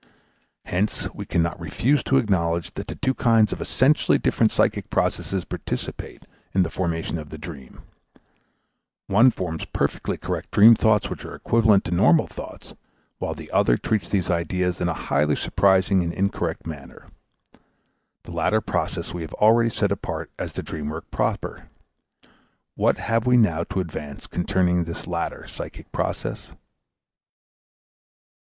Hence we cannot refuse to acknowledge that the two kinds of essentially different psychic processes participate in the formation of the dream; one forms perfectly correct dream thoughts which are equivalent to normal thoughts, while the other treats these ideas in a highly surprising and incorrect manner. The latter process we have already set apart as the dream work proper. What have we now to advance concerning this latter psychic process?